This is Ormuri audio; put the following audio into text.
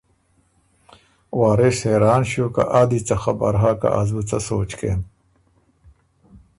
وارث حېران ݭیوک که آ دی څۀ خبر هۀ که از بُو څۀ سوچ کېم۔